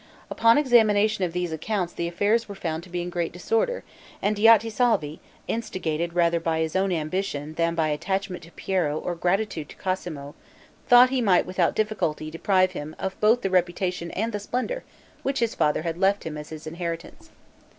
Upon examination of these accounts the affairs were found to be in great disorder, and Diotisalvi, instigated rather by his own ambition than by attachment to Piero or gratitude to Cosmo, thought he might without difficulty deprive him of both the reputation and the splendor which his father had left him as his inheritance.